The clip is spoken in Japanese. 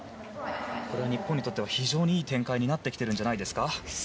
日本にとっては非常にいい展開になっているんじゃないですか？